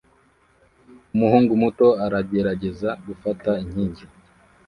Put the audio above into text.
Umuhungu muto aragerageza gufata inkingi